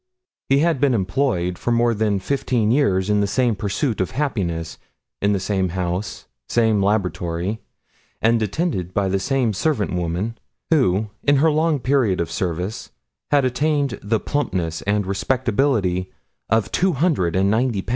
He had been employed for more than fifteen years in the same pursuit of happiness, in the same house, same laboratory, and attended by the same servant woman, who in her long period of service had attained the plumpness and respectability of two hundred and ninety pounds.